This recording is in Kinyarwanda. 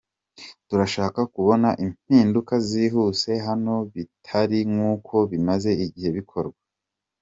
Turashaka kubona impinduka zihuse hano bitari nk’uko bimaze igihe bikorwa.